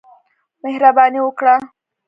مهرباني وکړه !